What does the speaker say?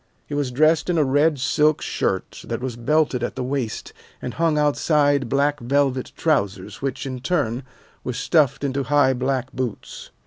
He was dressed in a red silk shirt that was belted at the waist and hung outside black velvet trousers which, in turn, were stuffed into high black boots.